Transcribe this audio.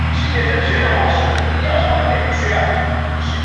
或在茶肆或在野闲开场聚众。